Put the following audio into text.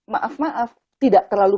maaf maaf tidak terlalu